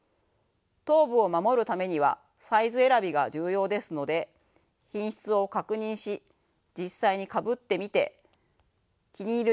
頭部を守るためにはサイズ選びが重要ですので品質を確認し実際にかぶってみて気に入る